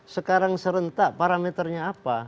sekarang serentak parameternya apa